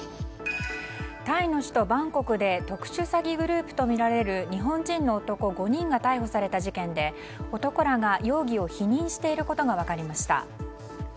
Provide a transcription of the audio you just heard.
タイの首都バンコクで特殊詐欺グループとみられる日本人の男５人が逮捕された事件で男らが容疑を否認していることが分かりました。